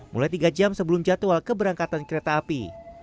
mulai tiga jam sebelum jadwal keberangkatan kereta api